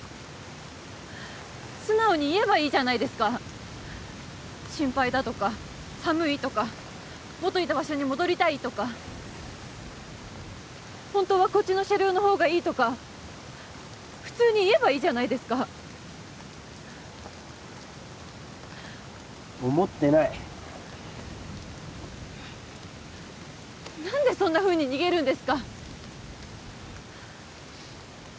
素直に言えばいいじゃないですか心配だとか寒いとかもといた場所に戻りたいとか本当はこっちの車両の方がいいとか普通に言えばいいじゃないですか思ってない何でそんなふうに逃げるんですか？